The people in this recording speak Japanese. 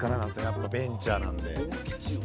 やっぱベンチャーなんで。